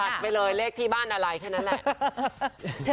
ไปเลยเลขที่บ้านอะไรแค่นั้นแหละ